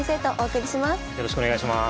よろしくお願いします。